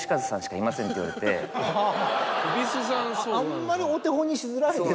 あんまりお手本にしづらいですね。